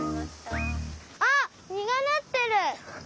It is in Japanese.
あっみがなってる！